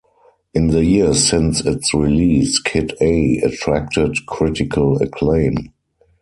In the years since its release, "Kid A" attracted critical acclaim.